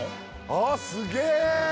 あっすげえ！